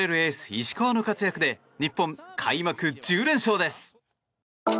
石川の活躍で日本、開幕１０連勝です！